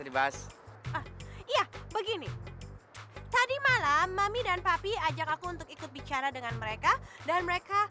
dibahas iya begini tadi malam mami dan papi ajak aku untuk ikut bicara dengan mereka dan mereka